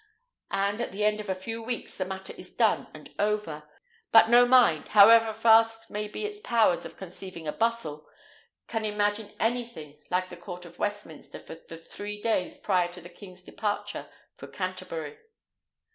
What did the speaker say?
And at the end of a few weeks the matter is done and over. But no mind, however vast may be its powers of conceiving a bustle, can imagine anything like the court of Westminster for the three days prior to the king's departure for Canterbury.